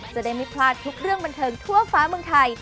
จะได้ไม่พลาดทุกเรื่องบันเทิงทั่วฟ้าเมืองไทย